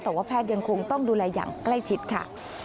แต่ว่าแพทย์ยังคงต้องดูแลอย่างใกล้ชิดค่ะ